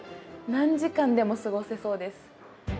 何時間でも過ごせそうです。